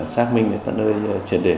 xác minh đến tận nơi triển đề